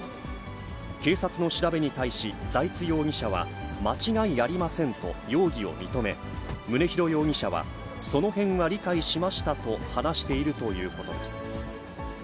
警察の調べに対し、財津容疑者は、間違いありませんと容疑を認め、宗広容疑者はそのへんは理解しましたと話しているということです。